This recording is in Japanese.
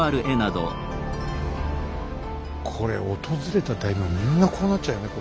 これ訪れた大名はみんなこうなっちゃうよね。